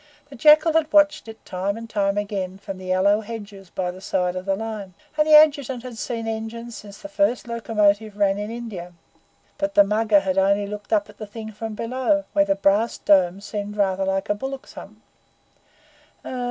The Jackal had watched it time and again from the aloe hedges by the side of the line, and the Adjutant had seen engines since the first locomotive ran in India. But the Mugger had only looked up at the thing from below, where the brass dome seemed rather like a bullock's hump.